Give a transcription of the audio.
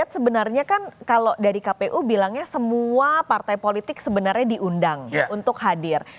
sebenarnya kan kalau dari kpu bilangnya semua partai politik sebenarnya diundang untuk hadir